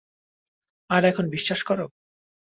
আর এখন বিশ্বাস কর?